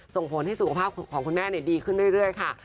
ส่งผลให้สุขภาพของคุณแม่ดีขึ้นเรื่อยค่ะ